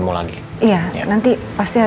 makanya percaya tuh pola sorotnya